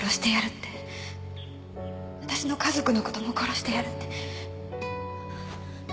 私の家族の事も殺してやるって。